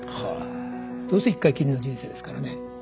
どうせ一回きりの人生ですからね。